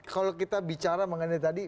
kalau kita bicara mengenai tadi